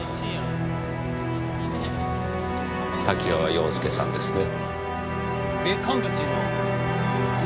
多岐川洋介さんですね？